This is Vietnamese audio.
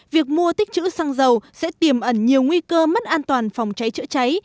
việc mua tích chữ xăng dầu sẽ tiềm ẩn nhiều nguy cơ mất an toàn phòng cháy chữa cháy